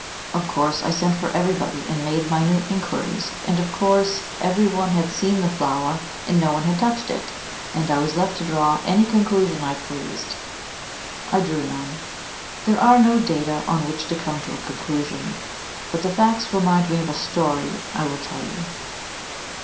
Of course I sent for everybody, and made minute inquiries, and, of course, every one had seen the flower, and no one had touched it, and I was left to draw any conclusion I pleased. I drew none. There are no data on which to come to a conclusion; but the facts remind me of a story I will tell you.